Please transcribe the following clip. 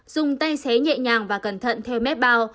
dùng tay xé nhẹ nhàng và cẩn thận theo mép bao